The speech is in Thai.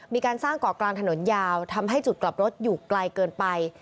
มีการสร้างเกาะกลางถนนยาวทำให้จุดกลับรถอยู่ไกลเกินไป